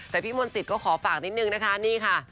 แต่พี่มนต์สิทธิ์ก็ขอฝากนิดหนึ่งนะคะนี่ค่ะ